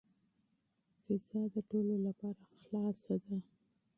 فضا د ټولو لپاره خلاصه ده.